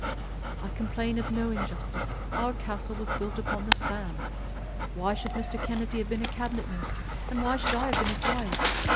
I complain of no injustice. Our castle was built upon the sand. Why should Mr. Kennedy have been a Cabinet Minister; and why should I have been his wife?